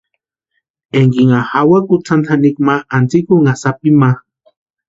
Ekinha jawaka kutsanta janikwa ma antsïkʼunha sapini ma.